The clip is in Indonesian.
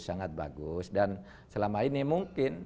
sangat bagus dan selama ini mungkin